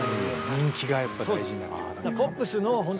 人気がやっぱり大事になってくる。